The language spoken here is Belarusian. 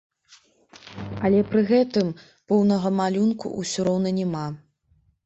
Але пры гэтым поўнага малюнку ўсё роўна няма.